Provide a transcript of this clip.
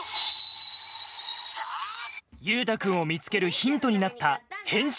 優太君を見つけるヒントになった変身